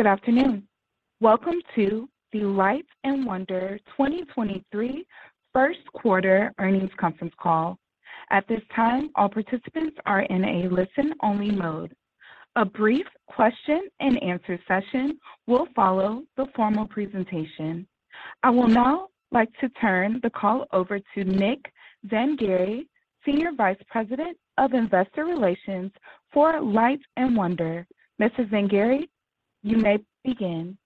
Good afternoon. Welcome to the Light & Wonder 2023 First Quarter Earnings Conference Call. At this time, all participants are in a listen-only mode. A brief question and answer session will follow the formal presentation. I will now like to turn the call over to Nick Zangari, Senior Vice President of Investor Relations for Light & Wonder. Mr. Zangari, you may begin.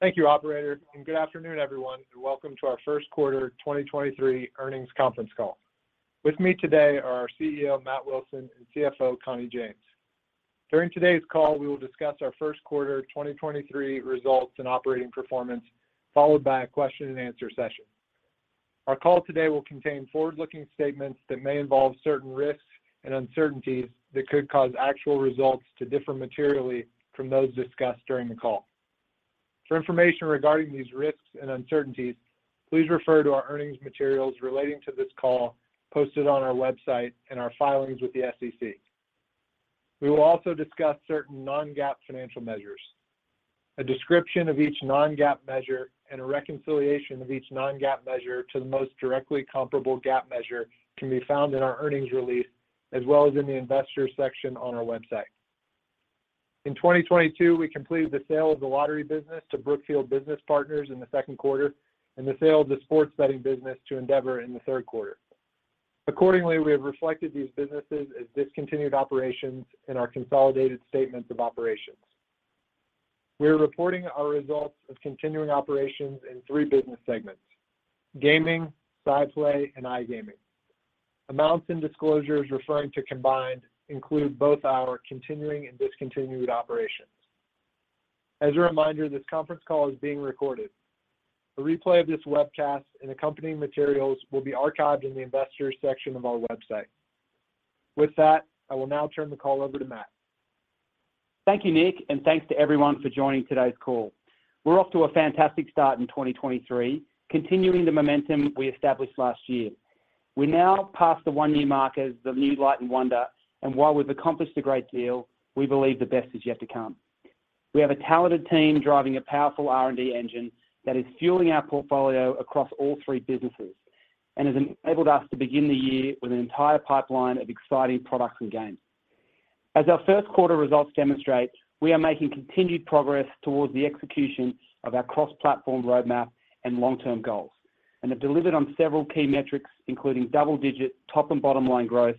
Thank you, operator. Good afternoon, everyone, welcome to our First Quarter 2023 Earnings Conference Call. With me today are our CEO, Matt Wilson, and CFO, Connie James. During today's call, we will discuss our first quarter 2023 results and operating performance, followed by a question and answer session. Our call today will contain forward-looking statements that may involve certain risks and uncertainties that could cause actual results to differ materially from those discussed during the call. For information regarding these risks and uncertainties, please refer to our earnings materials relating to this call posted on our website and our filings with the SEC. We will also discuss certain non-GAAP financial measures. A description of each non-GAAP measure and a reconciliation of each non-GAAP measure to the most directly comparable GAAP measure can be found in our earnings release, as well as in the Investors section on our website. In 2022, we completed the sale of the lottery business to Brookfield Business Partners in the second quarter and the sale of the sports betting business to Endeavor in the third quarter. Accordingly, we have reflected these businesses as discontinued operations in our consolidated statements of operations. We are reporting our results of continuing operations in three business segments: gaming, SciPlay, and iGaming. Amounts and disclosures referring to combined include both our continuing and discontinued operations. As a reminder, this conference call is being recorded. A replay of this webcast and accompanying materials will be archived in the Investors section of our website. With that, I will now turn the call over to Matt. Thank you, Nick, and thanks to everyone for joining today's call. We're off to a fantastic start in 2023, continuing the momentum we established last year. We now pass the one-year mark as the new Light & Wonder, and while we've accomplished a great deal, we believe the best is yet to come. We have a talented team driving a powerful R&D engine that is fueling our portfolio across all three businesses and has enabled us to begin the year with an entire pipeline of exciting products and games. As our first quarter results demonstrate, we are making continued progress towards the execution of our cross-platform roadmap and long-term goals and have delivered on several key metrics, including double-digit top and bottom line growth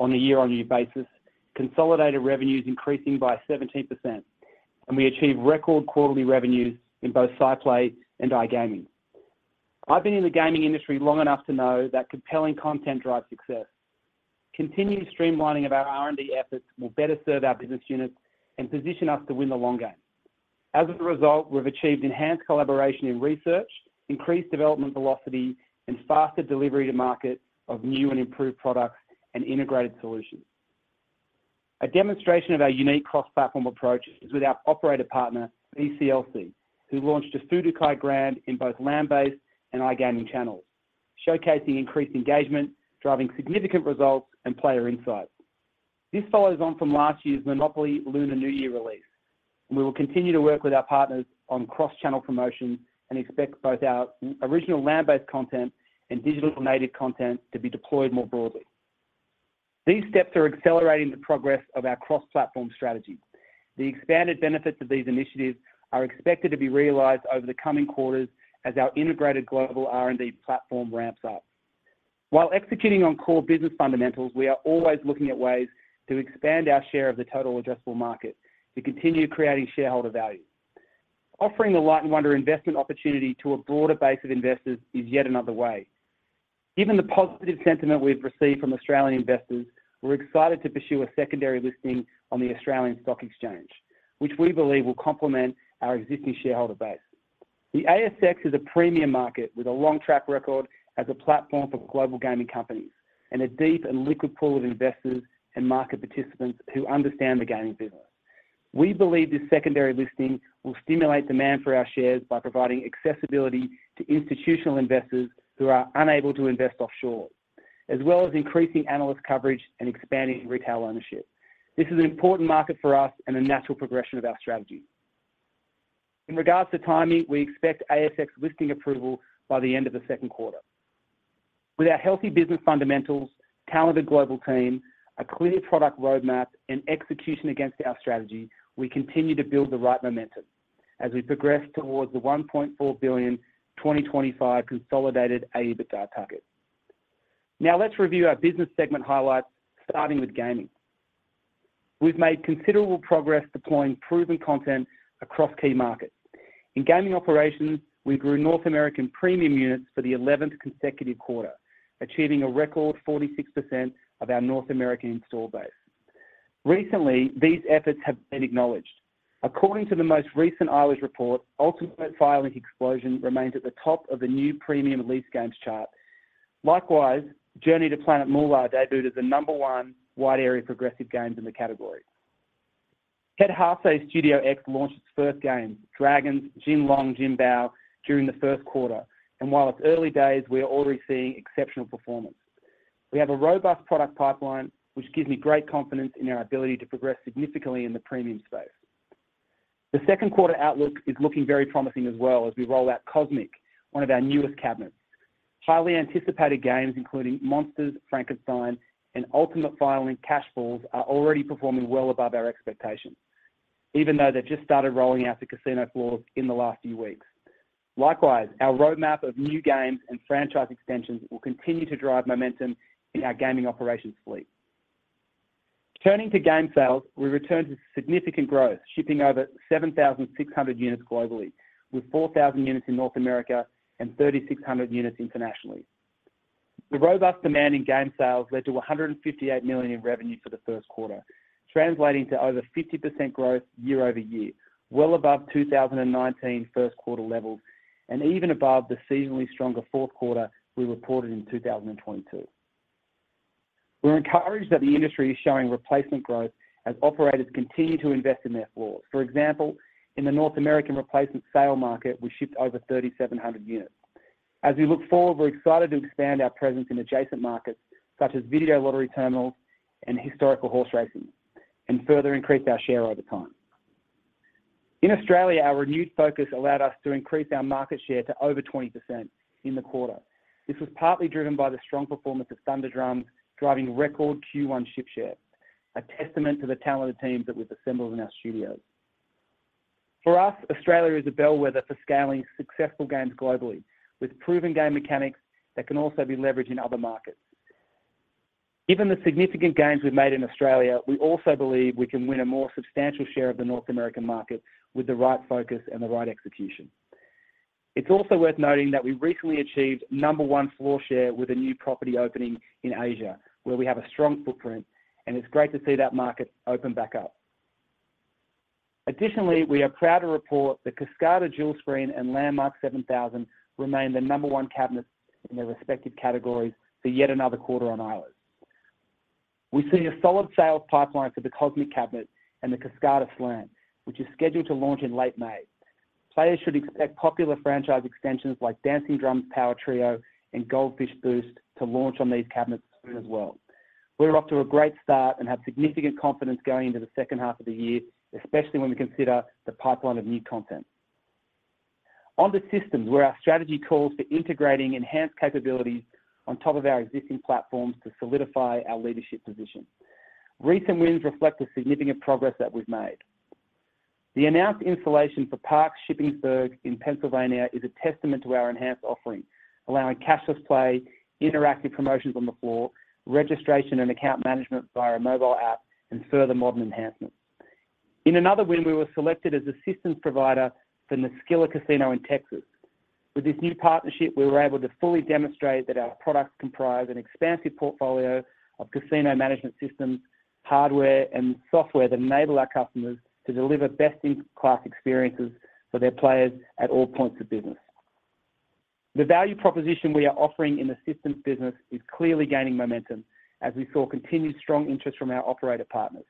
on a year-on-year basis, consolidated revenues increasing by 17%, and we achieved record quarterly revenues in both SciPlay and iGaming. I've been in the gaming industry long enough to know that compelling content drives success. Continuing streamlining of our R&D efforts will better serve our business units and position us to win the long game. As a result, we've achieved enhanced collaboration in research, increased development velocity, and faster delivery to market of new and improved products and integrated solutions. A demonstration of our unique cross-platform approach is with our operator partner, BCLC, who launched a Sudoku Grand in both land-based and iGaming channels, showcasing increased engagement, driving significant results and player insights. This follows on from last year's MONOPOLY Lunar New Year release, and we will continue to work with our partners on cross-channel promotions and expect both our original land-based content and digital native content to be deployed more broadly. These steps are accelerating the progress of our cross-platform strategy. The expanded benefits of these initiatives are expected to be realized over the coming quarters as our integrated global R&D platform ramps up. While executing on core business fundamentals, we are always looking at ways to expand our share of the total addressable market to continue creating shareholder value. Offering the Light & Wonder investment opportunity to a broader base of investors is yet another way. Given the positive sentiment we've received from Australian investors, we're excited to pursue a secondary listing on the Australian Securities Exchange, which we believe will complement our existing shareholder base. The ASX is a premium market with a long track record as a platform for global gaming companies and a deep and liquid pool of investors and market participants who understand the gaming business. We believe this secondary listing will stimulate demand for our shares by providing accessibility to institutional investors who are unable to invest offshore, as well as increasing analyst coverage and expanding retail ownership. This is an important market for us and a natural progression of our strategy. In regards to timing, we expect ASX listing approval by the end of the second quarter. With our healthy business fundamentals, talented global team, a clear product roadmap, and execution against our strategy, we continue to build the right momentum as we progress towards the $1.4 billion 2025 consolidated EBITDA target. Let's review our business segment highlights, starting with gaming. We've made considerable progress deploying proven content across key markets. In gaming operations, we grew North American premium units for the 11th consecutive quarter, achieving a record 46% of our North American install base. Recently, these efforts have been acknowledged. According to the most recent Iowa report, Ultimate Fire Link Explosion remains at the top of the new premium lease games chart. Likewise, Journey to Planet Moolah debuted as the number one wide area progressive games in the category. Hei Hei Say Studio X launched its first game, Dragons: Jinlong Jinbao, during the first quarter. While it's early days, we are already seeing exceptional performance. We have a robust product pipeline, which gives me great confidence in our ability to progress significantly in the premium space. The second quarter outlook is looking very promising as well as we roll out Cosmic, one of our newest cabinets. Highly anticipated games including Monsters, Frankenstein, and Ultimate Fire Link Cash Balls are already performing well above our expectations even though they've just started rolling out to casino floors in the last few weeks. Our roadmap of new games and franchise extensions will continue to drive momentum in our gaming operations fleet. Turning to game sales, we returned to significant growth, shipping over 7,600 units globally with 4,000 units in North America and 3,600 units internationally. The robust demand in game sales led to $158 million in revenue for the first quarter, translating to over 50% growth year-over-year, well above 2019 first quarter levels and even above the seasonally stronger fourth quarter we reported in 2022. We're encouraged that the industry is showing replacement growth as operators continue to invest in their floors. For example, in the North American replacement sale market, we shipped over 3,700 units. As we look forward, we're excited to expand our presence in adjacent markets such as video lottery terminals and historical horse racing and further increase our share over time. In Australia, our renewed focus allowed us to increase our market share to over 20% in the quarter. This was partly driven by the strong performance of Thunder Drums driving record Q1 ship share, a testament to the talented teams that we've assembled in our studios. For us, Australia is a bellwether for scaling successful games globally with proven game mechanics that can also be leveraged in other markets. Given the significant gains we've made in Australia, we also believe we can win a more substantial share of the North American market with the right focus and the right execution. It's also worth noting that we recently achieved number one floor share with a new property opening in Asia, where we have a strong footprint, and it's great to see that market open back up. Additionally, we are proud to report that Kascada Dual Screen and Landmark 7000 remain the number one cabinets in their respective categories for yet another quarter on islands. We see a solid sales pipeline for the Cosmic cabinet and the Kascada Slant, which is scheduled to launch in late May. Players should expect popular franchise extensions like Dancing Drums Power Trio and Goldfish Boost to launch on these cabinets soon as well. We're off to a great start and have significant confidence going into the second half of the year, especially when we consider the pipeline of new content. On the systems, where our strategy calls for integrating enhanced capabilities on top of our existing platforms to solidify our leadership position. Recent wins reflect the significant progress that we've made. The announced installation for Parx Shippensburg in Pennsylvania is a testament to our enhanced offering, allowing cashless play, interactive promotions on the floor, registration and account management via our mobile app, and further modern enhancements. In another win, we were selected as a systems provider for the Naskila Casino in Texas. With this new partnership, we were able to fully demonstrate that our products comprise an expansive portfolio of casino management systems, hardware, and software that enable our customers to deliver best-in-class experiences for their players at all points of business. The value proposition we are offering in the systems business is clearly gaining momentum as we saw continued strong interest from our operator partners.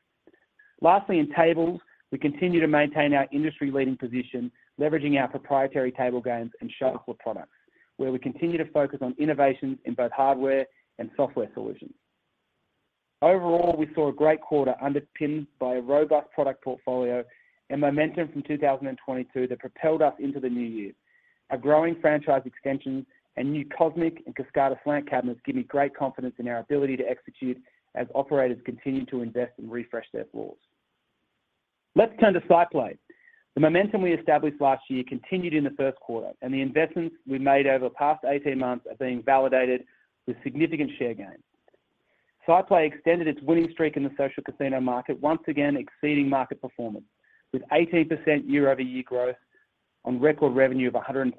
Lastly, in tables, we continue to maintain our industry-leading position, leveraging our proprietary table games and shuffle products, where we continue to focus on innovations in both hardware and software solutions. Overall, we saw a great quarter underpinned by a robust product portfolio and momentum from 2022 that propelled us into the new year. Our growing franchise extensions and new Cosmic and Kascada Slant cabinets give me great confidence in our ability to execute as operators continue to invest and refresh their floors. Let's turn to SciPlay. The momentum we established last year continued in the first quarter, and the investments we made over the past 18 months are being validated with significant share gains. SciPlay extended its winning streak in the social casino market, once again exceeding market performance with 18% year-over-year growth on record revenue of $186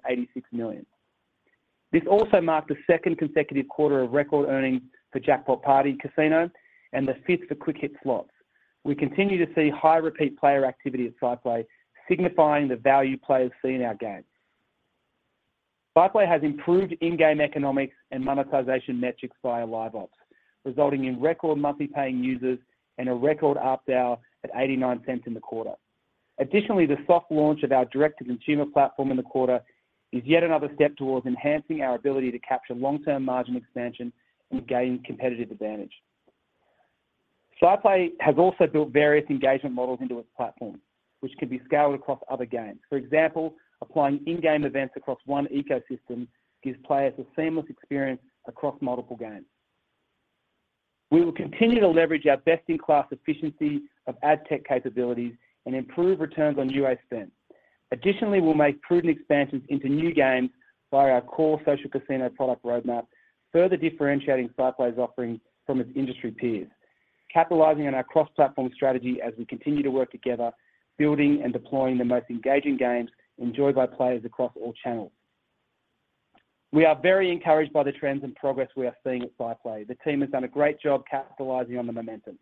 million. This also marked the second consecutive quarter of record earnings for Jackpot Party Casino and the fifth for Quick Hit Slots. We continue to see high repeat player activity at SciPlay, signifying the value players see in our games. SciPlay has improved in-game economics and monetization metrics via LiveOps, resulting in record monthly paying users and a record APDAU at $0.89 in the quarter. Additionally, the soft launch of our direct-to-consumer platform in the quarter is yet another step towards enhancing our ability to capture long-term margin expansion and gain competitive advantage. SciPlay has also built various engagement models into its platform, which can be scaled across other games. For example, applying in-game events across one ecosystem gives players a seamless experience across multiple games. We will continue to leverage our best-in-class efficiency of ad tech capabilities and improve returns on UA spend. Additionally, we'll make prudent expansions into new games via our core social casino product roadmap, further differentiating SciPlay's offering from its industry peers, capitalizing on our cross-platform strategy as we continue to work together, building and deploying the most engaging games enjoyed by players across all channels. We are very encouraged by the trends and progress we are seeing at SciPlay. The team has done a great job capitalizing on the momentum.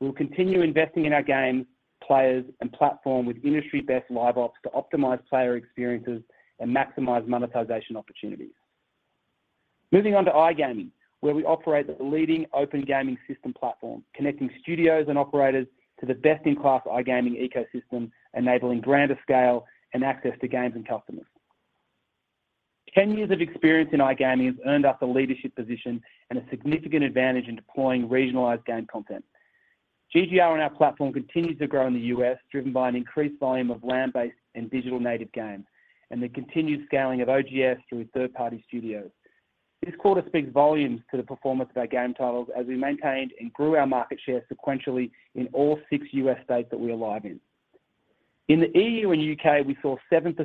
We will continue investing in our game, players, and platform with industry-best Live Ops to optimize player experiences and maximize monetization opportunities. Moving on to iGaming, where we operate the leading Open Gaming System platform, connecting studios and operators to the best-in-class iGaming ecosystem, enabling grander scale and access to games and customers. 10 years of experience in iGaming has earned us a leadership position and a significant advantage in deploying regionalized game content. GGR on our platform continues to grow in the US, driven by an increased volume of land-based and digital native games and the continued scaling of OGS through third-party studios. This quarter speaks volumes to the performance of our game titles as we maintained and grew our market share sequentially in all six US states that we are live in. In the EU and UK, we saw 7%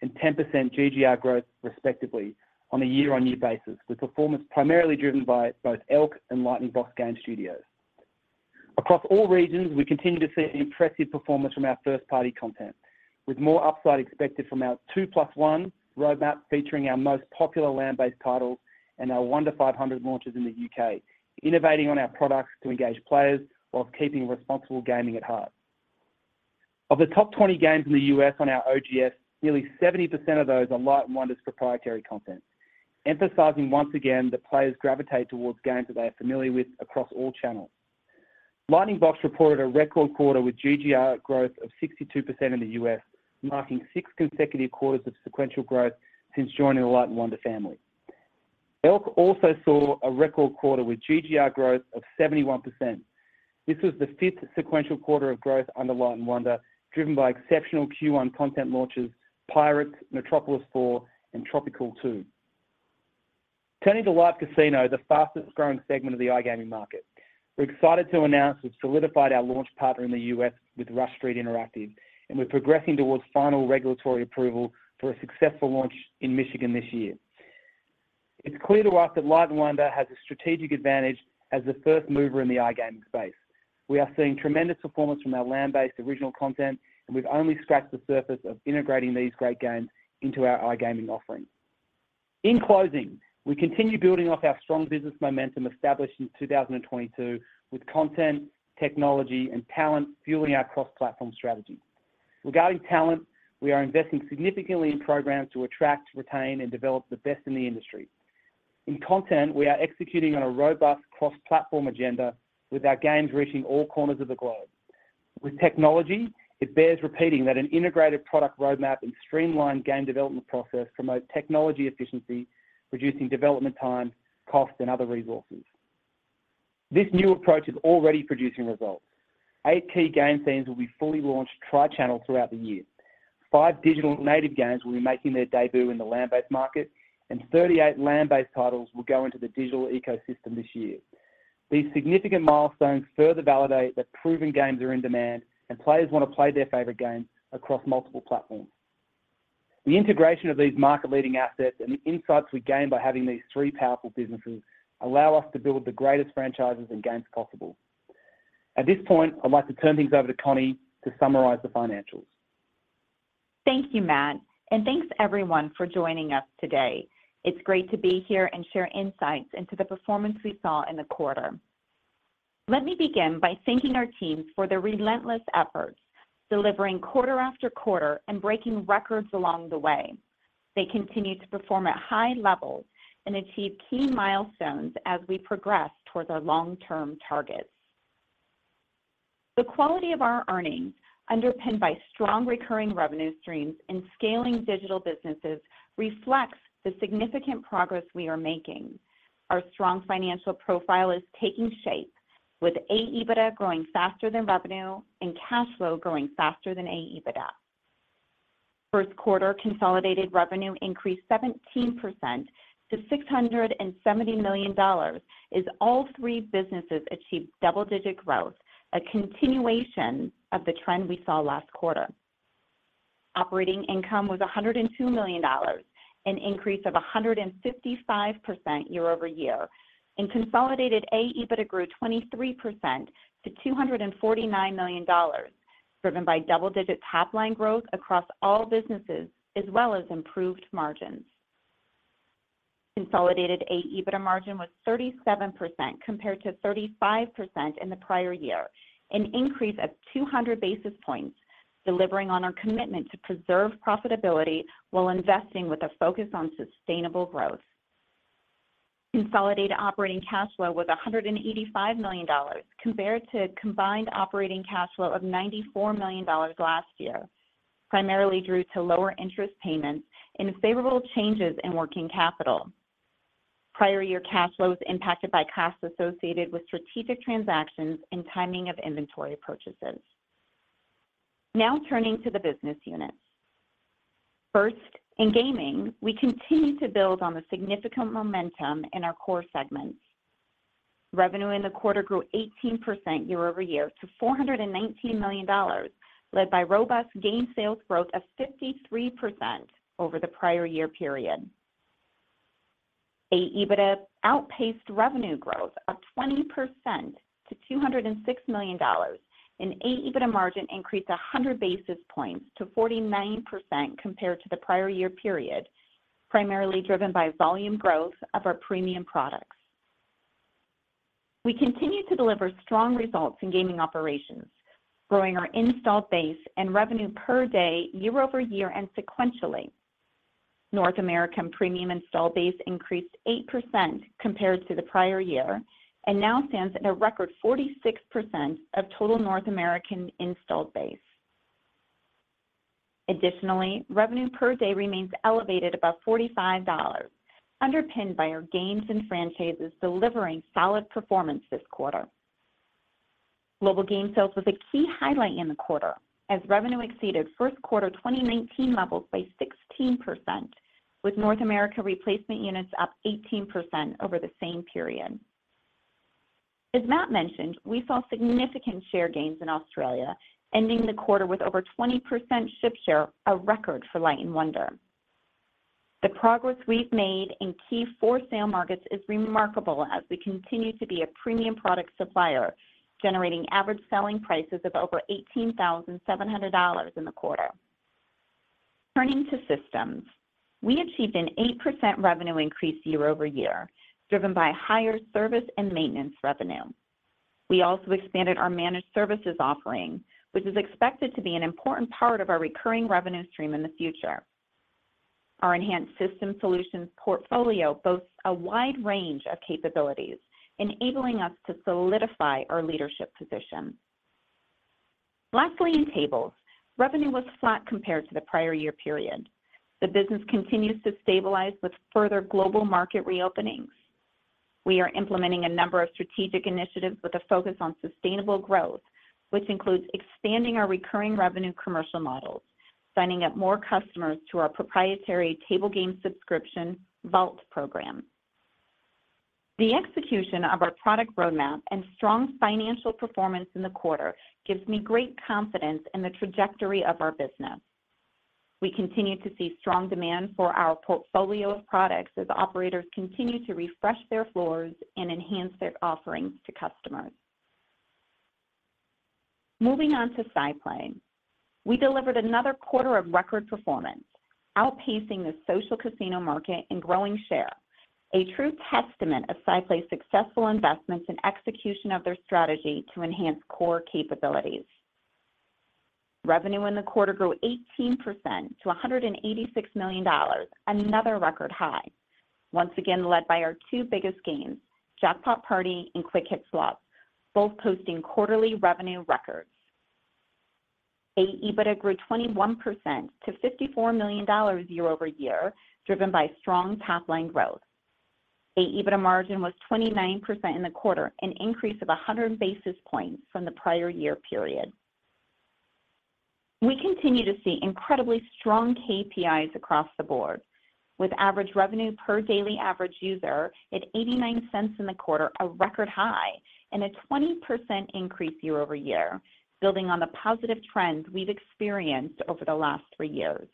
and 10% GGR growth, respectively on a year-on-year basis, with performance primarily driven by both Elk and Lightning Box game studios. Across all regions, we continue to see impressive performance from our first-party content, with more upside expected from our 2+1 roadmap featuring our most popular land-based titles and our 1 to 500 launches in the UK, innovating on our products while keeping responsible gaming at heart. Of the top 20 games in the US on our OGS, nearly 70% of those are Light & Wonder's proprietary content, emphasizing once again that players gravitate towards games that they are familiar with across all channels. Lightning Box reported a record quarter with GGR growth of 62% in the US, marking six consecutive quarters of sequential growth since joining the Light & Wonder family. ELK also saw a record quarter, with GGR growth of 71%. This was the fifth sequential quarter of growth under Light & Wonder, driven by exceptional Q1 content launches Pirate, Metropolis four, and Tropicool 2. Turning to live casino, the fastest-growing segment of the iGaming market. We're excited to announce we've solidified our launch partner in the US with Rush Street Interactive, and we're progressing towards final regulatory approval for a successful launch in Michigan this year. It's clear to us that Light & Wonder has a strategic advantage as the first mover in the iGaming space. We are seeing tremendous performance from our land-based original content, and we've only scratched the surface of integrating these great games into our iGaming offering. In closing, we continue building off our strong business momentum established in 2022 with content, technology, and talent fueling our cross-platform strategy. Regarding talent, we are investing significantly in programs to attract, retain, and develop the best in the industry. In content, we are executing on a robust cross-platform agenda with our games reaching all corners of the globe. With technology, it bears repeating that an integrated product roadmap and streamlined game development process promotes technology efficiency, reducing development time, cost, and other resources. This new approach is already producing results. Eight key game themes will be fully launched tri-channel throughout the year. Five digital native games will be making their debut in the land-based market, and 38 land-based titles will go into the digital ecosystem this year. These significant milestones further validate that proven games are in demand and players want to play their favorite games across multiple platforms. The integration of these market-leading assets and the insights we gain by having these three powerful businesses allow us to build the greatest franchises and games possible. At this point, I'd like to turn things over to Connie to summarize the financials. Thank you, Matt. Thanks everyone for joining us today. It's great to be here and share insights into the performance we saw in the quarter. Let me begin by thanking our teams for their relentless efforts, delivering quarter after quarter and breaking records along the way. They continue to perform at high levels and achieve key milestones as we progress towards our long-term targets. The quality of our earnings, underpinned by strong recurring revenue streams and scaling digital businesses, reflects the significant progress we are making. Our strong financial profile is taking shape with AEBITDA growing faster than revenue and cash flow growing faster than AEBITDA. First quarter consolidated revenue increased 17% to $670 million as all three businesses achieved double-digit growth, a continuation of the trend we saw last quarter. Operating income was $102 million, an increase of 155% year-over-year. Consolidated AEBITDA grew 23% to $249 million, driven by double-digit top-line growth across all businesses as well as improved margins. Consolidated AEBITDA margin was 37% compared to 35% in the prior year, an increase of 200 basis points, delivering on our commitment to preserve profitability while investing with a focus on sustainable growth. Consolidated operating cash flow was $185 million compared to combined operating cash flow of $94 million last year, primarily due to lower interest payments and favorable changes in working capital. Prior year cash flow was impacted by costs associated with strategic transactions and timing of inventory purchases. Now turning to the business units. First, in gaming, we continue to build on the significant momentum in our core segments. Revenue in the quarter grew 18% year-over-year to $419 million, led by robust game sales growth of 53% over the prior year period. AEBITDA outpaced revenue growth of 20% to $206 million, and AEBITDA margin increased 100 basis points to 49% compared to the prior year period, primarily driven by volume growth of our premium products. We continue to deliver strong results in gaming operations, growing our installed base and revenue per day year-over-year and sequentially. North American premium installed base increased 8% compared to the prior year and now stands at a record 46% of total North American installed base. Additionally, revenue per day remains elevated above $45 underpinned by our games and franchises delivering solid performance this quarter. Global game sales was a key highlight in the quarter as revenue exceeded first quarter 2019 levels by 16% with North America replacement units up 18% over the same period. As Matt mentioned, we saw significant share gains in Australia ending the quarter with over 20% ship share, a record for Light & Wonder. The progress we've made in key for-sale markets is remarkable as we continue to be a premium product supplier, generating average selling prices of over $18,700 in the quarter. Turning to systems, we achieved an 8% revenue increase year-over-year, driven by higher service and maintenance revenue. We also expanded our managed services offering, which is expected to be an important part of our recurring revenue stream in the future. Our enhanced system solutions portfolio boasts a wide range of capabilities, enabling us to solidify our leadership position. Lastly, in tables, revenue was flat compared to the prior year period. The business continues to stabilize with further global market reopenings. We are implementing a number of strategic initiatives with a focus on sustainable growth, which includes expanding our recurring revenue commercial models, signing up more customers to our proprietary table game subscription vault program. The execution of our product roadmap and strong financial performance in the quarter gives me great confidence in the trajectory of our business. We continue to see strong demand for our portfolio of products as operators continue to refresh their floors and enhance their offerings to customers. Moving on to SciPlay. We delivered another quarter of record performance, outpacing the social casino market and growing share, a true testament of SciPlay's successful investments and execution of their strategy to enhance core capabilities. Revenue in the quarter grew 18% to $186 million, another record high, once again led by our two biggest games, Jackpot Party and Quick Hit Slots, both posting quarterly revenue records. Adjusted EBITDA grew 21% to $54 million year-over-year, driven by strong top-line growth. Adjusted EBITDA margin was 29% in the quarter, an increase of 100 basis points from the prior year period. We continue to see incredibly strong KPIs across the board with average revenue per daily average user at $0.89 in the quarter, a record high and a 20% increase year-over-year, building on the positive trend we've experienced over the last three years.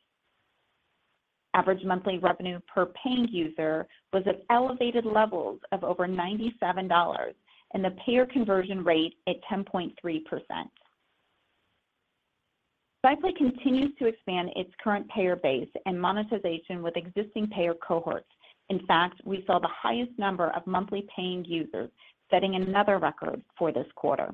Average monthly revenue per paying user was at elevated levels of over $97, and the payer conversion rate at 10.3%. SciPlay continues to expand its current payer base and monetization with existing payer cohorts. In fact, we saw the highest number of monthly paying users, setting another record for this quarter.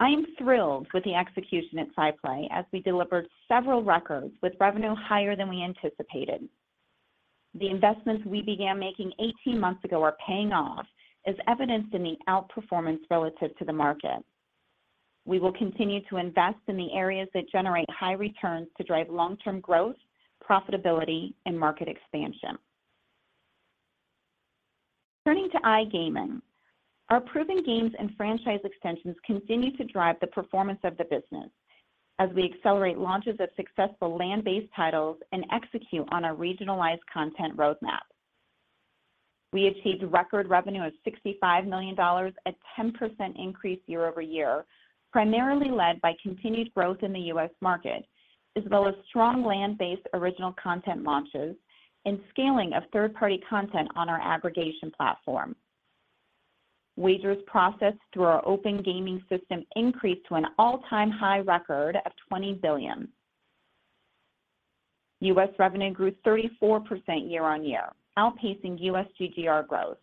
I am thrilled with the execution at SciPlay as we delivered several records with revenue higher than we anticipated. The investments we began making 18 months ago are paying off as evidenced in the outperformance relative to the market. We will continue to invest in the areas that generate high returns to drive long-term growth, profitability, and market expansion. Turning to iGaming. Our proven games and franchise extensions continue to drive the performance of the business as we accelerate launches of successful land-based titles and execute on our regionalized content roadmap. We achieved record revenue of $65 million, a 10% increase year-over-year, primarily led by continued growth in the U.S. market, as well as strong land-based original content launches and scaling of third-party content on our aggregation platform. Wagers processed through our Open Gaming System increased to an all-time high record of $20 billion. U.S. revenue grew 34% year-on-year, outpacing U.S. GGR growth.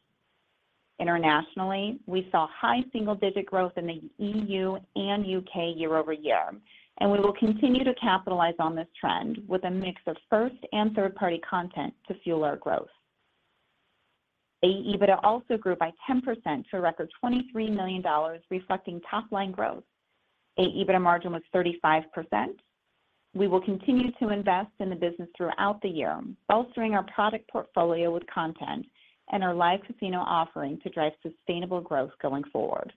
Internationally, we saw high single-digit growth in the EU and UK year-over-year, and we will continue to capitalize on this trend with a mix of first and third-party content to fuel our growth. Adjusted EBITDA also grew by 10% to a record $23 million, reflecting top-line growth. Adjusted EBITDA margin was 35%. We will continue to invest in the business throughout the year, bolstering our product portfolio with content and our live casino offering to drive sustainable growth going forward.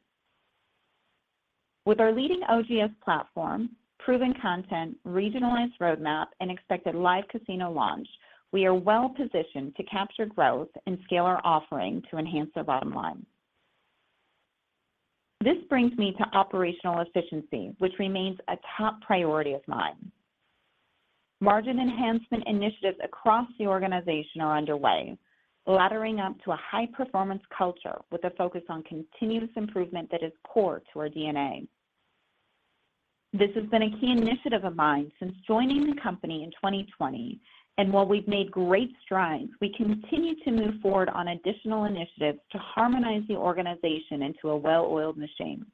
With our leading OGS platform, proven content, regionalized roadmap, and expected live casino launch, we are well positioned to capture growth and scale our offering to enhance the bottom line. This brings me to operational efficiency, which remains a top priority of mine. Margin enhancement initiatives across the organization are underway, laddering up to a high-performance culture with a focus on continuous improvement that is core to our DNA. This has been a key initiative of mine since joining the company in 2020, and while we've made great strides, we continue to move forward on additional initiatives to harmonize the organization into a well-oiled machine.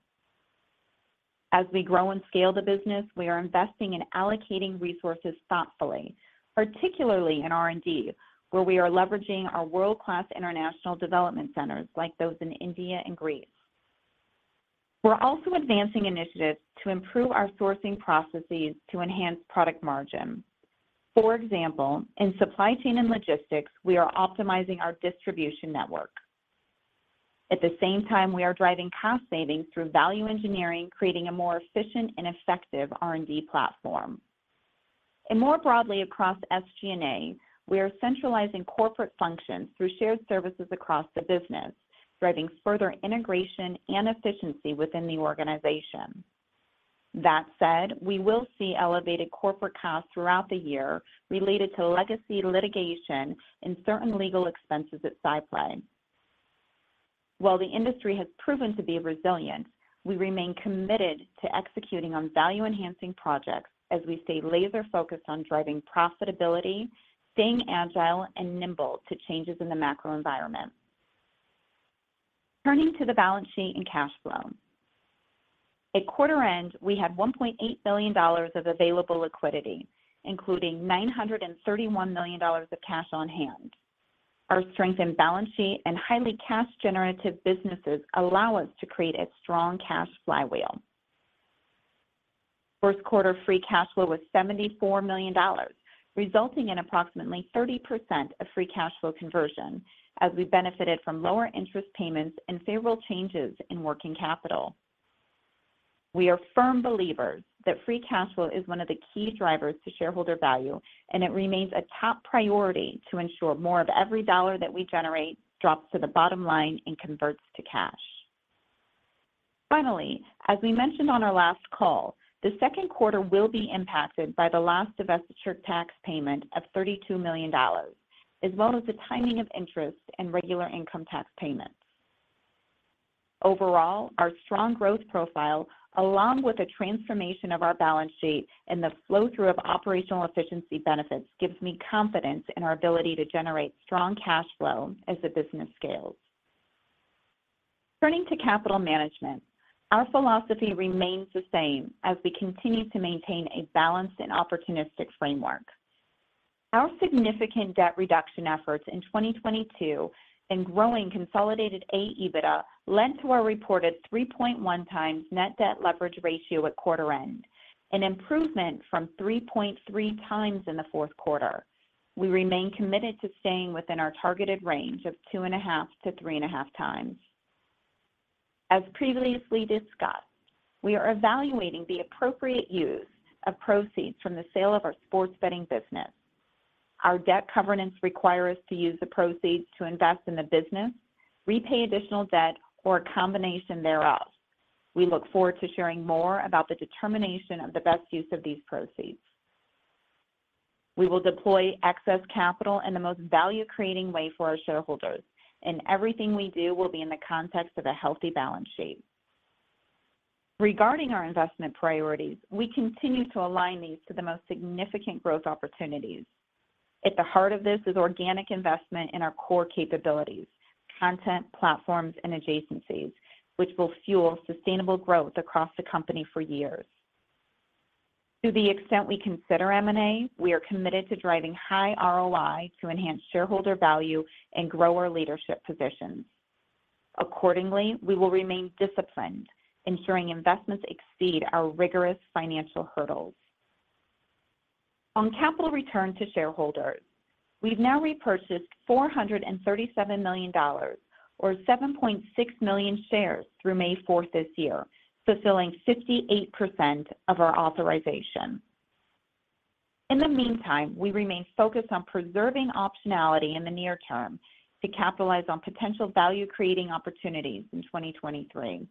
As we grow and scale the business, we are investing in allocating resources thoughtfully, particularly in R&D, where we are leveraging our world-class international development centers like those in India and Greece. We're also advancing initiatives to improve our sourcing processes to enhance product margin. For example, in supply chain and logistics, we are optimizing our distribution network. At the same time, we are driving cost savings through value engineering, creating a more efficient and effective R&D platform. More broadly across SG&A, we are centralizing corporate functions through shared services across the business, driving further integration and efficiency within the organization. That said, we will see elevated corporate costs throughout the year related to legacy litigation and certain legal expenses at SciPlay. While the industry has proven to be resilient, we remain committed to executing on value-enhancing projects as we stay laser-focused on driving profitability, staying agile and nimble to changes in the macro environment. Turning to the balance sheet and cash flow. At quarter end, we had $1.8 billion of available liquidity, including $931 million of cash on hand. Our strength in balance sheet and highly cash generative businesses allow us to create a strong cash flywheel. First quarter free cash flow was $74 million, resulting in approximately 30% of free cash flow conversion as we benefited from lower interest payments and favorable changes in working capital. It remains a top priority to ensure more of every dollar that we generate drops to the bottom line and converts to cash. Finally, as we mentioned on our last call, the second quarter will be impacted by the last divestiture tax payment of $32 million, as well as the timing of interest and regular income tax payments. Overall, our strong growth profile along with the transformation of our balance sheet and the flow-through of operational efficiency benefits gives me confidence in our ability to generate strong cash flow as the business scales. Turning to capital management. Our philosophy remains the same as we continue to maintain a balanced and opportunistic framework. Our significant debt reduction efforts in 2022 and growing consolidated Adjusted EBITDA led to our reported 3.1x net debt leverage ratio at quarter end, an improvement from 3.3x in the fourth quarter. We remain committed to staying within our targeted range of 2.5x-3.5x. As previously discussed, we are evaluating the appropriate use of proceeds from the sale of our sports betting business. Our debt covenants require us to use the proceeds to invest in the business, repay additional debt, or a combination thereof. We look forward to sharing more about the determination of the best use of these proceeds. We will deploy excess capital in the most value-creating way for our shareholders, and everything we do will be in the context of a healthy balance sheet. Regarding our investment priorities, we continue to align these to the most significant growth opportunities. At the heart of this is organic investment in our core capabilities, content, platforms, and adjacencies, which will fuel sustainable growth across the company for years. To the extent we consider M&A, we are committed to driving high ROI to enhance shareholder value and grow our leadership positions. Accordingly, we will remain disciplined, ensuring investments exceed our rigorous financial hurdles. On capital return to shareholders, we've now repurchased $437 million or 7.6 million shares through May 4 this year, fulfilling 58% of our authorization. In the meantime, we remain focused on preserving optionality in the near term to capitalize on potential value-creating opportunities in 2023.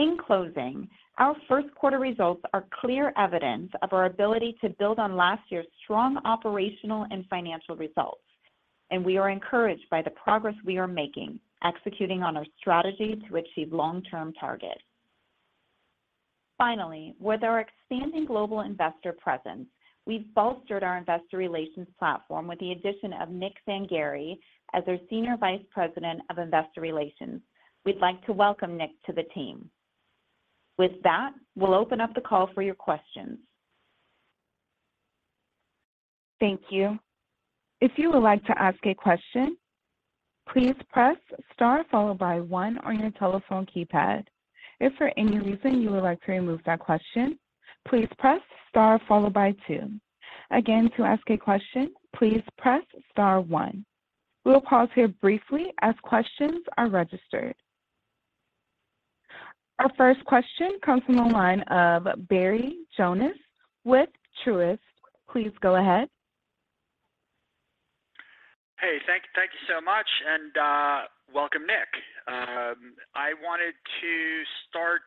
In closing, our first quarter results are clear evidence of our ability to build on last year's strong operational and financial results. We are encouraged by the progress we are making, executing on our strategy to achieve long-term targets. Finally, with our expanding global investor presence, we've bolstered our investor relations platform with the addition of Nick Zangari as our Senior Vice President of Investor Relations. We'd like to welcome Nick to the team. With that, we'll open up the call for your questions. Thank you. If you would like to ask a question, please press star followed by one on your telephone keypad. If for any reason you would like to remove that question, please press star followed by two. Again, to ask a question, please press star one. We will pause here briefly as questions are registered. Our first question comes from the line of Barry Jonas with Truist. Please go ahead. Hey, thank you so much, welcome, Nick. I wanted to start,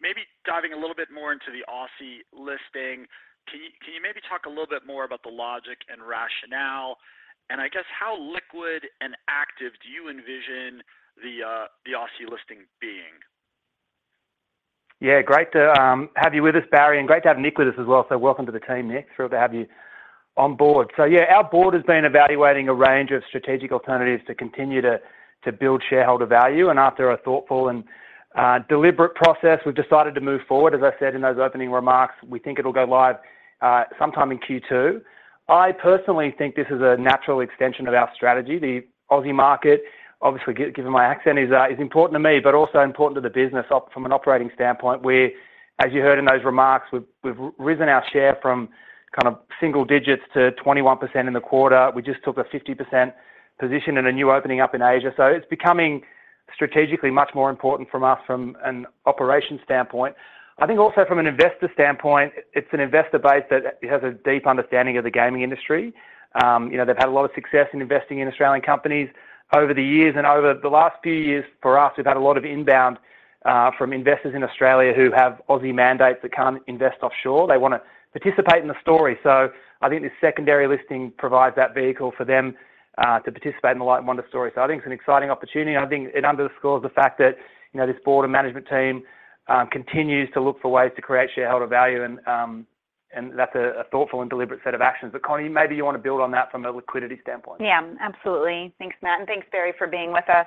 maybe diving a little bit more into the Aussie listing. Can you maybe talk a little bit more about the logic and rationale? I guess how liquid and active do you envision the Aussie listing being? Great to have you with us, Barry, and great to have Nick with us as well. Welcome to the team, Nick. Thrilled to have you on board. Our board has been evaluating a range of strategic alternatives to continue to build shareholder value. After a thoughtful and deliberate process, we've decided to move forward. As I said in those opening remarks, we think it'll go live sometime in Q-two. I personally think this is a natural extension of our strategy. The Aussie market, obviously given my accent, is important to me, but also important to the business from an operating standpoint, where, as you heard in those remarks, we've risen our share from kind of single digits to 21% in the quarter. We just took a 50% position in a new opening up in Asia. It's becoming strategically much more important from us from an operations standpoint. I think also from an investor standpoint, it's an investor base that has a deep understanding of the gaming industry. You know, they've had a lot of success in investing in Australian companies over the years. Over the last few years, for us, we've had a lot of inbound from investors in Australia who have Aussie mandates that can't invest offshore. They want to participate in the story. I think this secondary listing provides that vehicle for them to participate in the Light & Wonder story. I think it's an exciting opportunity, and I think it underscores the fact that, you know, this board and management team continues to look for ways to create shareholder value, and that's a thoughtful and deliberate set of actions. Connie, maybe you want to build on that from a liquidity standpoint. Yeah, absolutely. Thanks, Matt, and thanks, Barry, for being with us.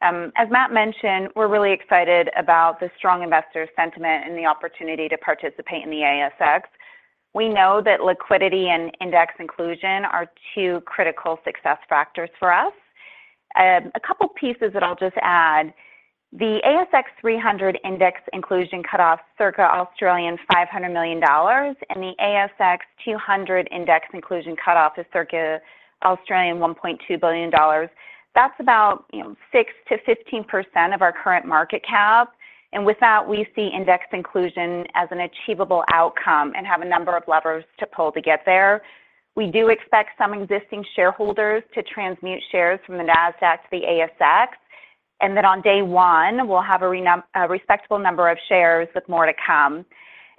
As Matt mentioned, we're really excited about the strong investor sentiment and the opportunity to participate in the ASX. We know that liquidity and index inclusion are two critical success factors for us. A couple pieces that I'll just add. The ASX 300 index inclusion cutoff circa 500 million Australian dollars, and the ASX 200 index inclusion cutoff is circa 1.2 billion Australian dollars. That's about, you know, 6%-15% of our current market cap, and with that, we see index inclusion as an achievable outcome and have a number of levers to pull to get there. We do expect some existing shareholders to transmute shares from the Nasdaq to the ASX. On day one, we'll have a respectable number of shares with more to come.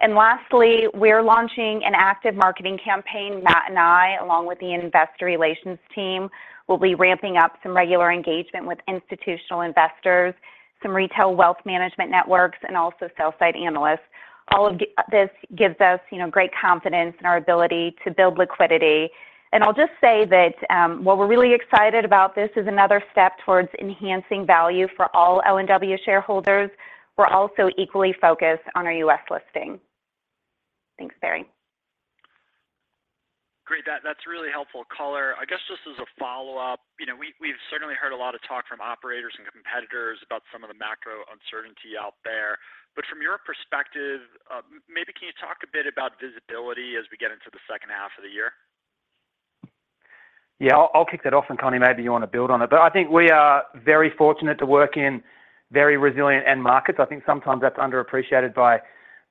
Lastly, we're launching an active marketing campaign. Matt and I, along with the investor relations team, will be ramping up some regular engagement with institutional investors, some retail wealth management networks, and also sell-side analysts. All of this gives us, you know, great confidence in our ability to build liquidity. I'll just say that while we're really excited about this as another step towards enhancing value for all L&W shareholders, we're also equally focused on our U.S. listing. Thanks, Barry. Great. That's really helpful color. I guess just as a follow-up, you know, we've certainly heard a lot of talk from operators and competitors about some of the macro uncertainty out there. From your perspective, maybe can you talk a bit about visibility as we get into the second half of the year? I'll kick that off, Connie, maybe you want to build on it. I think we are very fortunate to work in very resilient end markets. I think sometimes that's underappreciated by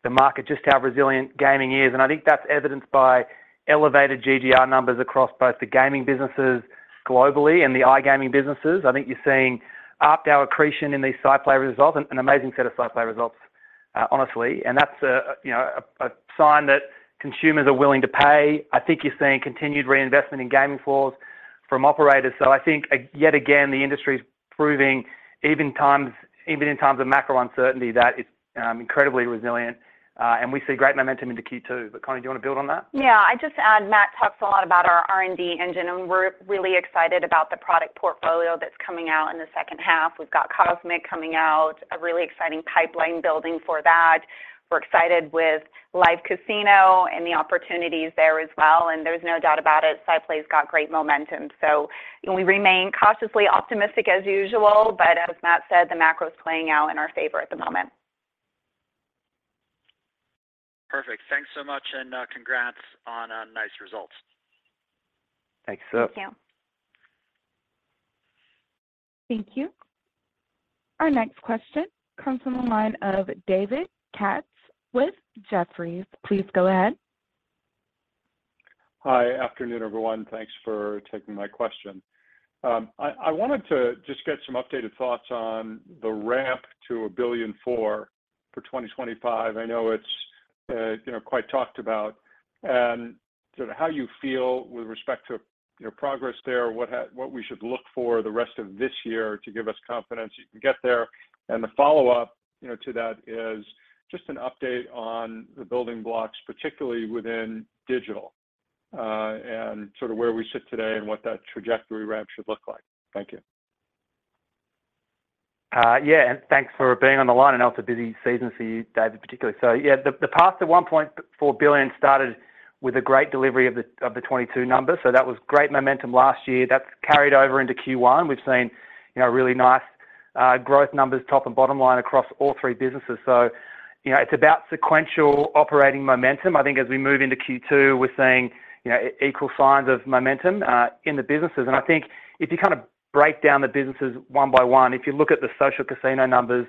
the market, just how resilient gaming is, and I think that's evidenced by elevated GGR numbers across both the gaming businesses globally and the iGaming businesses. I think you're seeing ARPDAU accretion in these SciPlayresults, an amazing set of SciPlay results, honestly, and that's a, you know, a sign that consumers are willing to pay. I think you're seeing continued reinvestment in gaming floors from operators. I think yet again, the industry's proving even times, even in times of macro uncertainty, that it's incredibly resilient, and we see great momentum into Q-two. Connie, do you want to build on that? I'd just add, Matt talks a lot about our R&D engine, and we're really excited about the product portfolio that's coming out in the second half. We've got Cosmic coming out, a really exciting pipeline building for that. We're excited with live casino and the opportunities there as well, and there's no doubt about it, SciPlay's got great momentum. You know, we remain cautiously optimistic as usual, but as Matt said, the macro's playing out in our favor at the moment. Perfect. Thanks so much, and congrats on nice results. Thanks, sir. Thank you. Thank you. Our next question comes from the line of David Katz with Jefferies. Please go ahead. Hi. Afternoon, everyone. Thanks for taking my question. I wanted to just get some updated thoughts on the ramp to $1.4 billion for 2025. I know it's, you know, quite talked about. Sort of how you feel with respect to, you know, progress there, what we should look for the rest of this year to give us confidence you can get there. The follow-up, you know, to that is just an update on the building blocks, particularly within digital, and sort of where we sit today and what that trajectory ramp should look like. Thank you. Yeah, thanks for being on the line. I know it's a busy season for you, David, particularly. The path to $1.4 billion started with a great delivery of the 22 numbers, that was great momentum last year. That's carried over into Q1. We've seen, you know, really nice growth numbers top and bottom line across all three businesses. You know, it's about sequential operating momentum. I think as we move into Q2, we're seeing, you know, equal signs of momentum in the businesses. I think if you kind of break down the businesses one by one, if you look at the social casino numbers,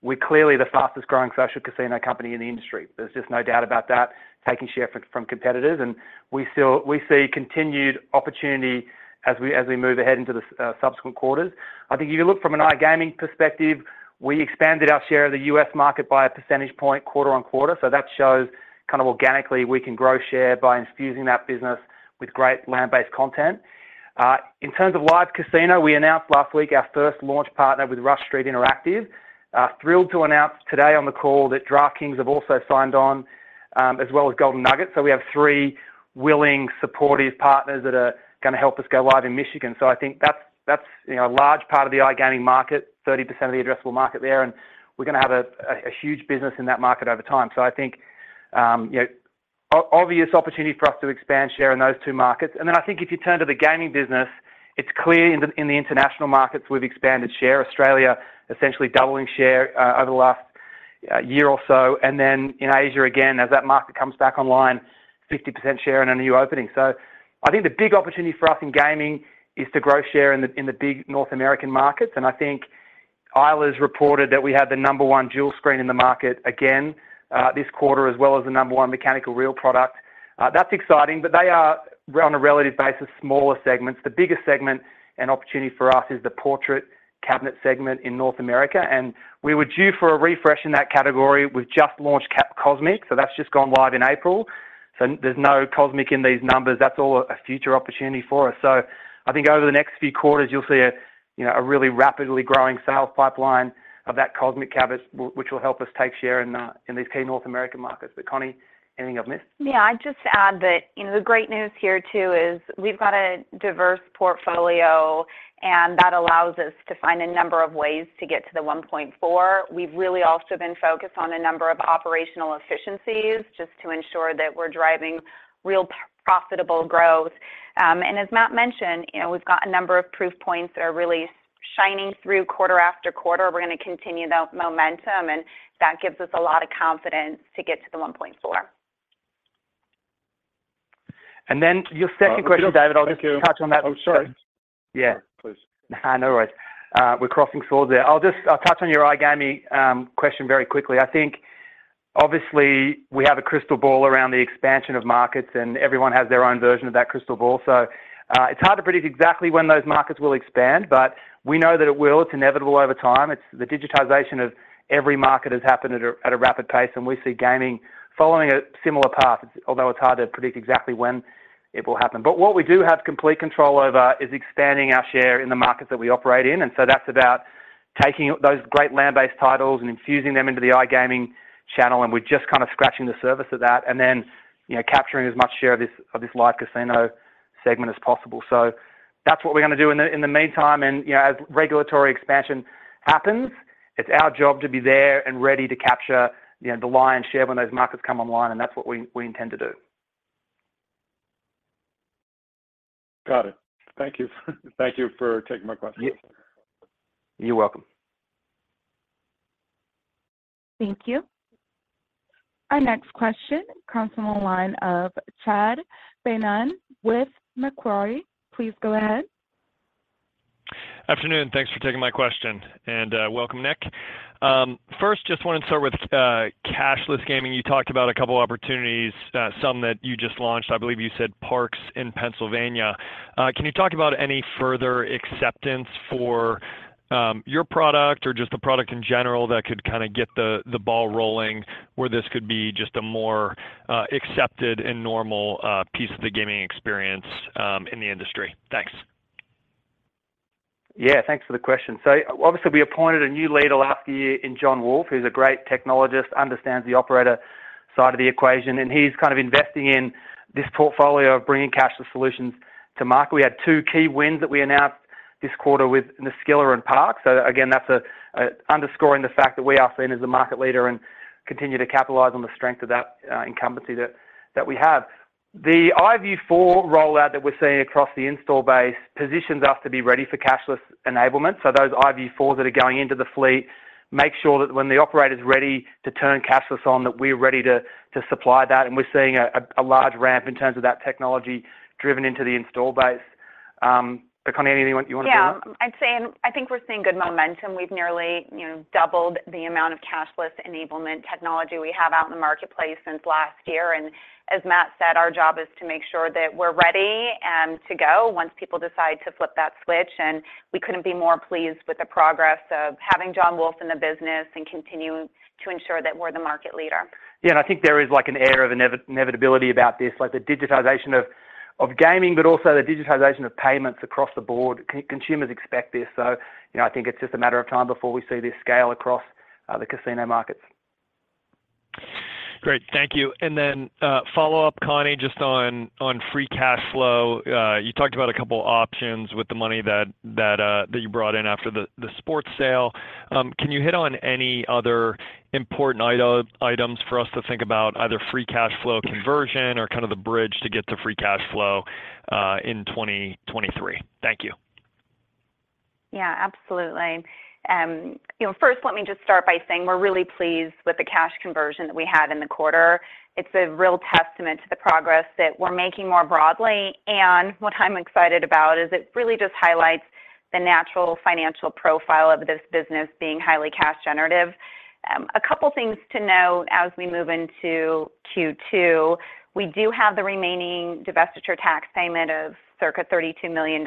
we're clearly the fastest-growing social casino company in the industry. There's just no doubt about that, taking share from competitors. We still, we see continued opportunity as we, as we move ahead into the subsequent quarters. I think if you look from an iGaming perspective, we expanded our share of the U.S. market by 1% quarter-on-quarter. That shows kind of organically we can grow share by infusing that business with great land-based content. In terms of live casino, we announced last week our first launch partner with Rush Street Interactive. Thrilled to announce today on the call that DraftKings have also signed on, as well as Golden Nugget. We have three willing, supportive partners that are going to help us go live in Michigan. I think that's, you know, a large part of the iGaming market, 30% of the addressable market there, and we're going to have a huge business in that market over time. I think, you know, obvious opportunity for us to expand share in those two markets. I think if you turn to the gaming business, it's clear in the international markets we've expanded share. Australia essentially doubling share over the last year or so. In Asia, again, as that market comes back online, 50% share in a new opening. I think the big opportunity for us in gaming is to grow share in the big North American markets. I think Eilers' reported that we have the number one dual screen in the market again this quarter, as well as the number one mechanical reel product. That's exciting, they are on a relative basis, smaller segments. The biggest segment and opportunity for us is the portrait cabinet segment in North America, we were due for a refresh in that category. We've just launched Cap Cosmic, that's just gone live in April. There's no Cosmic in these numbers. That's all a future opportunity for us. I think over the next few quarters you'll see a, you know, a really rapidly growing sales pipeline of that Cosmic cabinet which will help us take share in these key North American markets. Connie, anything I've missed? I'd just add that, you know, the great news here too is we've got a diverse portfolio and that allows us to find a number of ways to get to the $1.4. We've really also been focused on a number of operational efficiencies just to ensure that we're driving real profitable growth. As Matt mentioned, you know, we've got a number of proof points that are really shining through quarter after quarter. We're going to continue the momentum, and that gives us a lot of confidence to get to the $1.4. Your second question, David, I'll just touch on that. Oh, sorry. Yeah. Please. No worries. We're crossing swords there. I'll touch on your iGaming question very quickly. I think obviously we have a crystal ball around the expansion of markets. Everyone has their own version of that crystal ball. It's hard to predict exactly when those markets will expand, but we know that it will. It's inevitable over time. It's the digitization of every market has happened at a rapid pace, and we see gaming following a similar path. Although it's hard to predict exactly when it will happen. What we do have complete control over is expanding our share in the markets that we operate in. That's about taking those great land-based titles and infusing them into the iGaming channel, and we're just kind of scratching the surface of that. You know, capturing as much share of this live casino segment as possible. That's what we're going to do in the meantime. You know, as regulatory expansion happens, it's our job to be there and ready to capture, you know, the lion's share when those markets come online, and that's what we intend to do. Got it. Thank you. Thank you for taking my questions. You're welcome. Thank you. Our next question comes from the line of Chad Beynon with Macquarie. Please go ahead. Afternoon, thanks for taking my question. Welcome, Nick. First, just wanted to start with cashless gaming. You talked about a couple opportunities, some that you just launched. I believe you said Parx in Pennsylvania. Can you talk about any further acceptance for your product or just the product in general that could kind of get the ball rolling where this could be just a more accepted and normal piece of the gaming experience in the industry? Thanks. Yeah, thanks for the question. Obviously, we appointed a new leader last year in Jon Wolfe. He's a great technologist, understands the operator side of the equation, and he's kind of investing in this portfolio of bringing cashless solutions to market. We had two key wins that we announced this quarter with Naskila and Parx. Again, that's underscoring the fact that we are seen as a market leader and continue to capitalize on the strength of that incumbency that we have. The iVIEW 4 rollout that we're seeing across the install base positions us to be ready for cashless enablement. Those iVIEW 4s that are going into the fleet make sure that when the operator's ready to turn cashless on, that we're ready to supply that, and we're seeing a large ramp in terms of that technology driven into the install base. Connie, anything you want to add there? I'd say, and I think we're seeing good momentum. We've nearly, you know, doubled the amount of cashless enablement technology we have out in the marketplace since last year. As Matt said, our job is to make sure that we're ready to go once people decide to flip that switch. We couldn't be more pleased with the progress of having John Wolf in the business and continuing to ensure that we're the market leader. Yeah, I think there is like an air of inevitability about this, like the digitization of gaming, but also the digitization of payments across the board. Consumers expect this. You know, I think it's just a matter of time before we see this scale across the casino markets. Great. Thank you. Then, follow-up, Connie, just on free cash flow. You talked about a couple options with the money that you brought in after the sports sale. Can you hit on any other important items for us to think about, either free cash flow conversion or kind of the bridge to get to free cash flow in 2023? Thank you. Yeah, absolutely. You know, first let me just start by saying we're really pleased with the cash conversion that we had in the quarter. It's a real testament to the progress that we're making more broadly, and what I'm excited about is it really just highlights the natural financial profile of this business being highly cash generative. A couple things to note as we move into Q2. We do have the remaining divestiture tax payment of circa $32 million,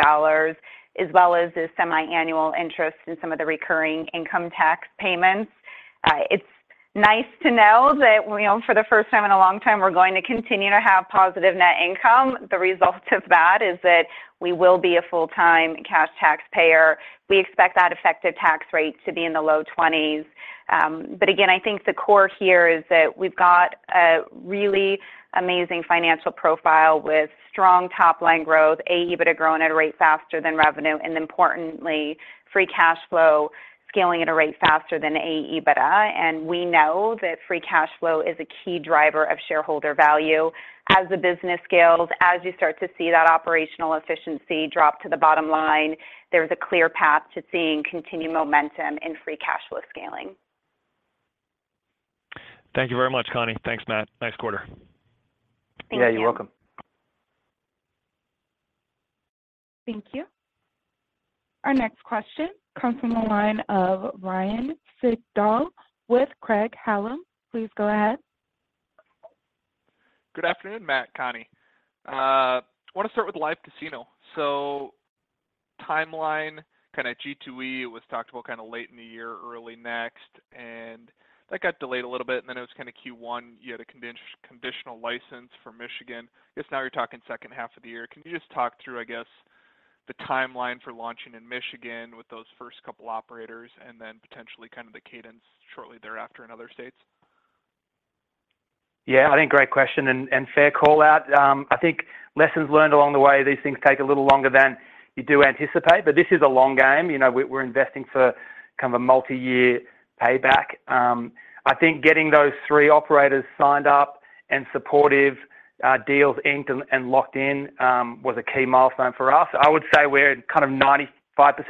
as well as the semiannual interest in some of the recurring income tax payments. It's nice to know that we own for the first time in a long time, we're going to continue to have positive net income. The result of that is that we will be a full-time cash taxpayer. We expect that effective tax rate to be in the low twenties. Again, I think the core here is that we've got a really amazing financial profile with strong top-line growth, AEBITDA growing at a rate faster than revenue, and importantly, free cash flow scaling at a rate faster than AEBITDA. We know that free cash flow is a key driver of shareholder value. As the business scales, as you start to see that operational efficiency drop to the bottom line, there's a clear path to seeing continued momentum in free cash flow scaling. Thank you very much, Connie. Thanks, Matt. Nice quarter. Thank you. Yeah, you're welcome. Thank you. Our next question comes from the line of Ryan Sigdahl with Craig-Hallum. Please go ahead. Good afternoon, Matt, Connie. Want to start with Live Casino. Timeline, kind of G2E, it was talked about kind of late in the year, early next, and that got delayed a little bit, and then it was kind of Q1, you had a conditional license for Michigan. I guess now you're talking second half of the year. Can you just talk through, I guess, the timeline for launching in Michigan with those first couple operators and then potentially kind of the cadence shortly thereafter in other states? Yeah, I think great question and fair call-out. I think lessons learned along the way, these things take a little longer than you do anticipate, but this is a long game. You know, we're investing for kind of a multi-year payback. I think getting those three operators signed up and supportive, deals inked and locked in, was a key milestone for us. I would say we're kind of 95%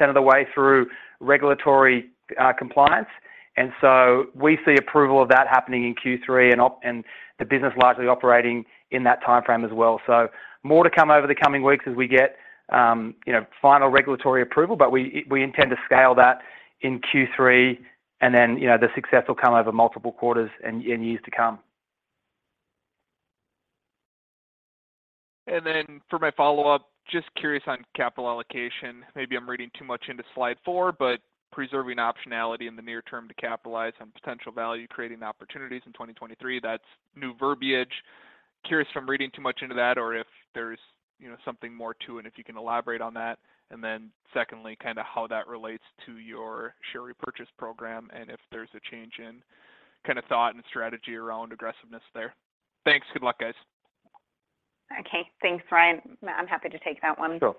of the way through regulatory, compliance. We see approval of that happening in Q3 and the business likely operating in that timeframe as well. More to come over the coming weeks as we get, you know, final regulatory approval, but we intend to scale that in Q3 and then, you know, the success will come over multiple quarters and years to come. For my follow-up, just curious on capital allocation. Maybe I'm reading too much into slide four, but preserving optionality in the near term to capitalize on potential value-creating opportunities in 2023, that's new verbiage. Curious if I'm reading too much into that or if there's, you know, something more to it, if you can elaborate on that. Then secondly, kind of how that relates to your share repurchase program and if there's a change in kind of thought and strategy around aggressiveness there. Thanks. Good luck, guys. Okay. Thanks, Ryan. Matt, I'm happy to take that one. Sure.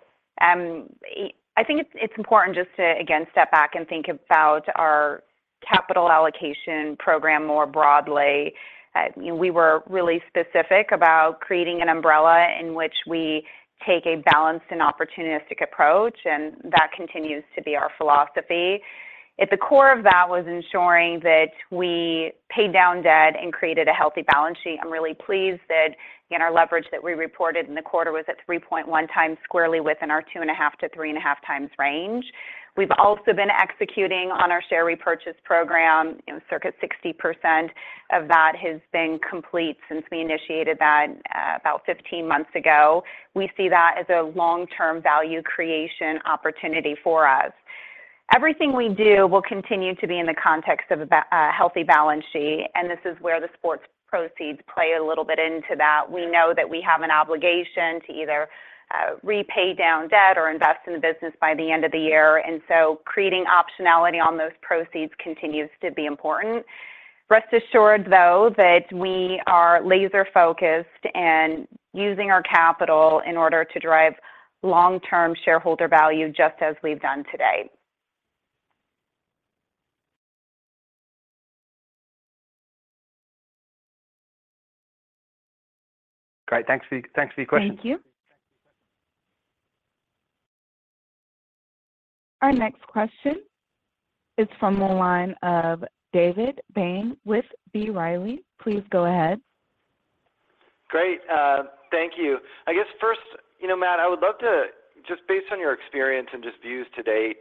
I think it's important just to again, step back and think about our capital allocation program more broadly. You know, we were really specific about creating an umbrella in which we take a balanced and opportunistic approach, and that continues to be our philosophy. At the core of that was ensuring that we paid down debt and created a healthy balance sheet. I'm really pleased that, you know, our leverage that we reported in the quarter was at 3.1x squarely within our 2.5x-3.5x range. We've also been executing on our share repurchase program. You know, circa 60% of that has been complete since we initiated that, about 15 months ago. We see that as a long-term value creation opportunity for us. Everything we do will continue to be in the context of a healthy balance sheet. This is where the sports proceeds play a little bit into that. We know that we have an obligation to either repay down debt or invest in the business by the end of the year. Creating optionality on those proceeds continues to be important. Rest assured, though, that we are laser-focused in using our capital in order to drive long-term shareholder value, just as we've done today. Great. Thanks for your question. Thank you. Our next question is from the line of David Bain with B. Riley. Please go ahead. Great. Thank you. I guess first, you know, Matt, I would love to, just based on your experience and just views to date,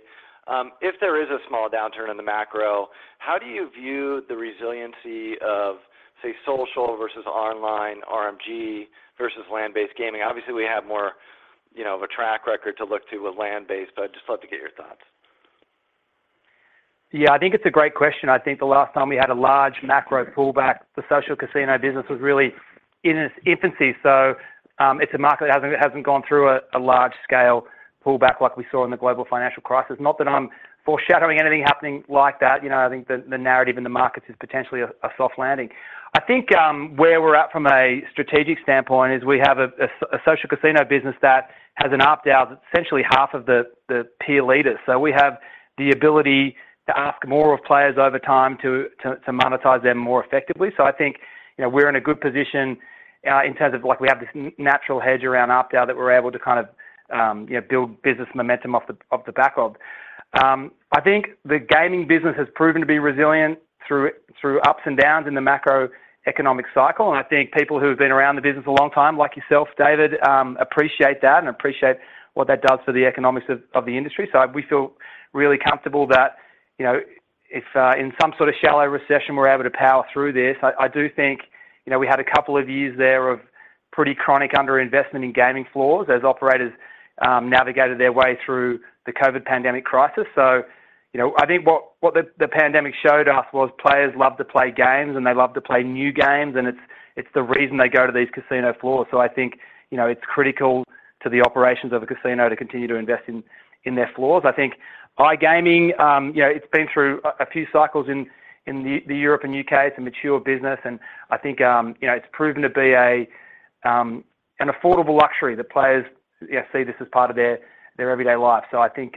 if there is a small downturn in the macro, how do you view the resiliency of, say, social versus online RMG versus land-based gaming? Obviously, we have more, you know, of a track record to look to with land-based, but I'd just love to get your thoughts. Yeah, I think it's a great question. I think the last time we had a large macro pullback, the social casino business was really in its infancy. It's a market that hasn't gone through a large-scale pullback like we saw in the global financial crisis. Not that I'm foreshadowing anything happening like that. You know, I think the narrative in the markets is potentially a soft landing. I think where we're at from a strategic standpoint is we have a social casino business that has an up down, essentially half of the peer leaders. We have the ability to ask more of players over time to monetize them more effectively. I think, you know, we're in a good position in terms of like we have this natural hedge around up down that we're able to kind of, you know, build business momentum off the back of. I think the gaming business has proven to be resilient through ups and downs in the macroeconomic cycle. I think people who have been around the business a long time, like yourself, David, appreciate that and appreciate what that does for the economics of the industry. We feel really comfortable that, you know, if in some sort of shallow recession, we're able to power through this. I do think, you know, we had a couple of years there pretty chronic underinvestment in gaming floors as operators navigated their way through the COVID pandemic crisis. You know, I think what the pandemic showed us was players love to play games and they love to play new games, and it's the reason they go to these casino floors. I think, you know, it's critical to the operations of a casino to continue to invest in their floors. I think iGaming, you know, it's been through a few cycles in the Europe and U.K. It's a mature business. I think, you know, it's proven to be an affordable luxury that players, you know, see this as part of their everyday life. I think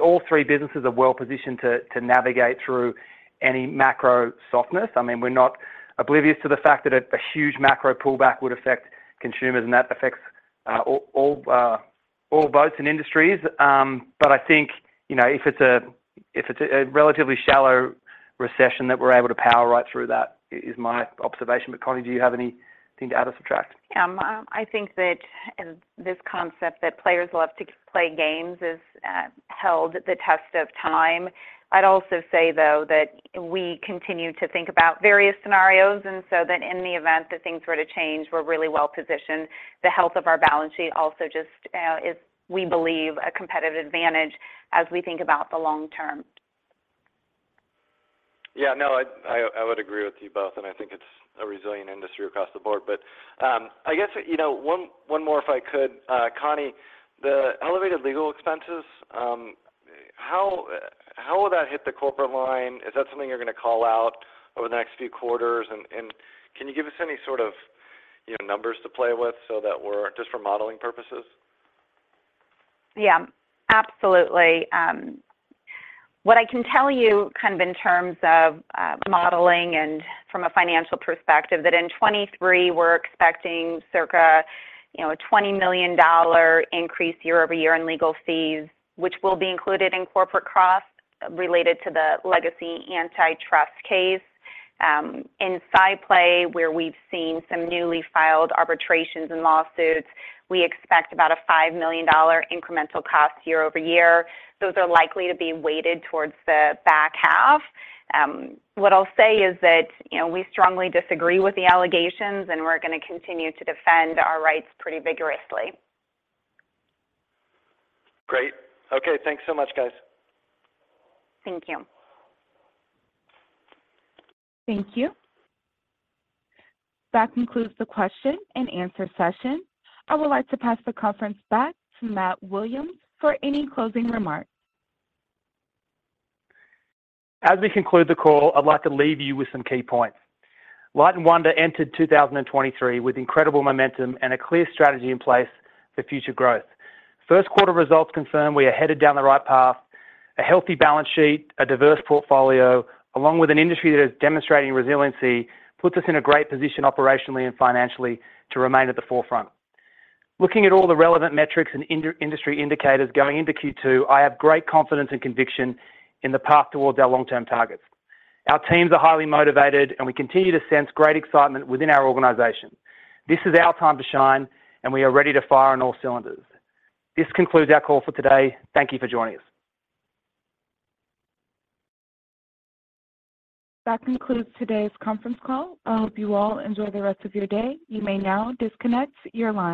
all three businesses are well-positioned to navigate through any macro softness. I mean, we're not oblivious to the fact that a huge macro pullback would affect consumers, and that affects all boats and industries. I think, you know, if it's a relatively shallow recession that we're able to power right through that is my observation. Connie, do you have anything to add or subtract? I think that this concept that players love to play games has held the test of time. I'd also say, though, that we continue to think about various scenarios, and so then in the event that things were to change, we're really well-positioned. The health of our balance sheet also just is we believe a competitive advantage as we think about the long term. Yeah, no, I would agree with you both, and I think it's a resilient industry across the board. I guess, you know, one more if I could. Connie, the elevated legal expenses, how will that hit the corporate line? Is that something you're going to call out over the next few quarters? Can you give us any sort of, you know, numbers to play with so that we're just for modeling purposes? Yeah. Absolutely. What I can tell you kind of in terms of modeling and from a financial perspective, that in 2023 we're expecting circa, you know, a $20 million increase year-over-year in legal fees, which will be included in corporate costs related to the legacy antitrust case. In SciPlay, where we've seen some newly filed arbitrations and lawsuits, we expect about a $5 million incremental cost year-over-year. Those are likely to be weighted towards the back half. What I'll say is that, you know, we strongly disagree with the allegations, and we're going to continue to defend our rights pretty vigorously. Great. Okay, thanks so much, guys. Thank you. Thank you. That concludes the question and answer session. I would like to pass the conference back to Matt Wilson for any closing remarks. As we conclude the call, I'd like to leave you with some key points. Light & Wonder entered 2023 with incredible momentum and a clear strategy in place for future growth. First quarter results confirm we are headed down the right path. A healthy balance sheet, a diverse portfolio, along with an industry that is demonstrating resiliency, puts us in a great position operationally and financially to remain at the forefront. Looking at all the relevant metrics and industry indicators going into Q2, I have great confidence and conviction in the path towards our long-term targets. Our teams are highly motivated, and we continue to sense great excitement within our organization. This is our time to shine, and we are ready to fire on all cylinders. This concludes our call for today. Thank you for joining us. That concludes today's conference call. I hope you all enjoy the rest of your day. You may now disconnect your line.